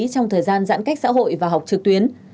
trong thời gian giãn cách xã hội và học trực tuyến